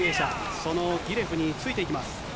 そのギレフについていきます。